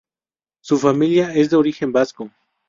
Su familia es de origen vasco.